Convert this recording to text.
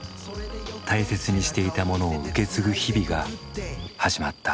大切にしていたものを受け継ぐ日々が始まった。